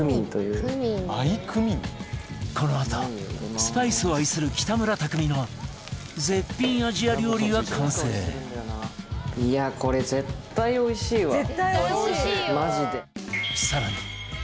このあとスパイスを愛する北村匠海の絶品アジア料理が完成北村：いや、これ絶対おいしいわ、マジで。